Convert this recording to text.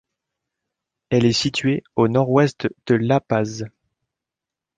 Elle est située à au nord-ouest de La Paz.